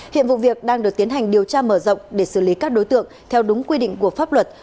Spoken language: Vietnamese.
hiện vụ việc đang được tiến hành điều tra mở rộng để xử lý các đối tượng theo đúng quy định của pháp luật